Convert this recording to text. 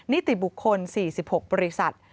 นิติบุคคล๔๖บริษัท